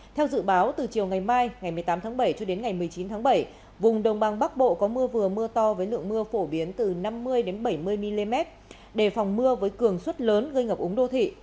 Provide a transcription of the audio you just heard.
theo dự báo từ chiều ngày mai ngày một mươi tám tháng bảy cho đến ngày một mươi chín tháng bảy vùng đồng băng bắc bộ có mưa vừa mưa to với lượng mưa phổ biến từ năm mươi bảy mươi mm đề phòng mưa với cường suất lớn gây ngập úng đô thị